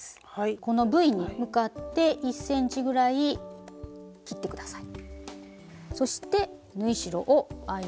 このＶに向かって１ｃｍぐらい切って下さい。